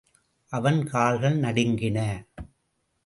அவன் கால்கள் நடுங்கின.